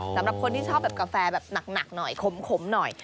สำหรับคนที่ชอบแบบกาแฟแบบหนักหน่อยขมหน่อย